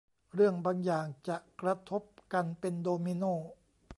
เรื่องบางอย่างจะกระทบกันเป็นโดมิโน่